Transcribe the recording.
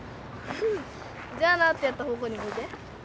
「じゃあな」ってやった方向に向いて。